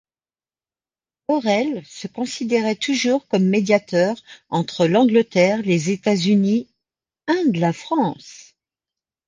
O'Rell se considérait toujours comme médiateur entre l’Angleterre, les États-Unis and la France.